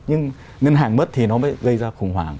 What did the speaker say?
nhưng ngân hàng mất thì nó mới gây ra khủng hoảng